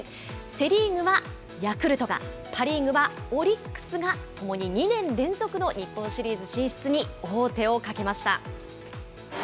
セ・リーグはヤクルトが、パ・リーグはオリックスがともに２年連続の日本シリーズ進出に王手をかけました。